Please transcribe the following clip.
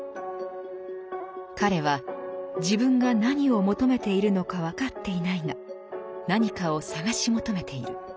彼は自分が何を求めているのか分かっていないが何かを探し求めている。